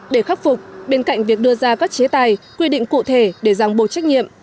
để khắc phục bên cạnh việc đưa ra các chế tài quy định cụ thể để giảng bộ trách nhiệm